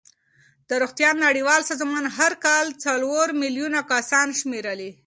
د روغتیا نړیوال سازمان هر کال څلور میلیون کسان شمېرلې.